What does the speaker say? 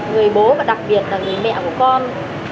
người bố và đặc biệt là người mẹ của con